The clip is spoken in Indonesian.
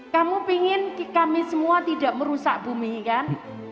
kamu ingin kami semua tidak merusak bumi kan